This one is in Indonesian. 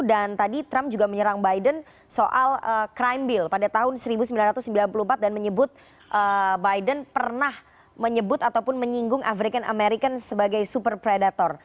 dan tadi trump juga menyerang biden soal crime bill pada tahun seribu sembilan ratus sembilan puluh empat dan menyebut biden pernah menyebut ataupun menyinggung african american sebagai super predator